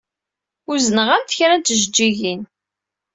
Uzneɣ-am-d kra n tjeǧǧigin.